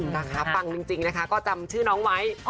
นะคะปังจริงนะคะก็จำชื่อน้องไว้